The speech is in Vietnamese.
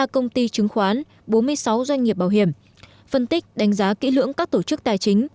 ba công ty chứng khoán bốn mươi sáu doanh nghiệp bảo hiểm phân tích đánh giá kỹ lưỡng các tổ chức tài chính